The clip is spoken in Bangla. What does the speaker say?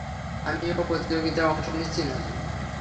আমিও প্রতিযোগিতায় অংশ নিচ্ছি, না?